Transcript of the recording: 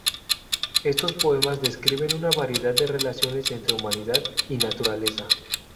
Estos poemas describen una variedad de relaciones entre humanidad y naturaleza.